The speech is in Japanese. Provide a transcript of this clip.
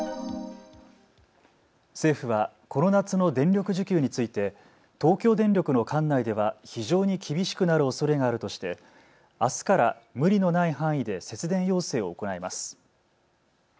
政府はこの夏の電力需給について東京電力の管内では非常に厳しくなるおそれがあるとしてあすから無理のない範囲で節電要請を行います。